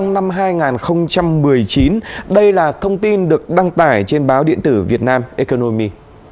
năm hai nghìn một mươi chín đây là thông tin được đăng tải trên báo điện tử việt nam economi